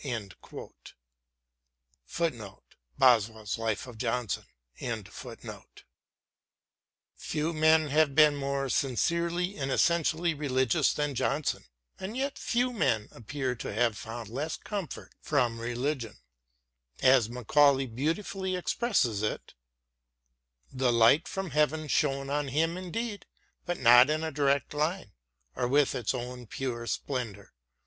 "* Few men have been more sincerely and essentially religious than Johnson, and yet few men appear to have found less comfort from religion. As Macaulay beautifully expresses it : The light from heaven shone on him indeed, but not in a direct line, or with its own pure splendour.